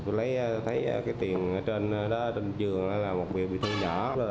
tôi thấy tiền ở trên trong trường là một việc bị thu nhập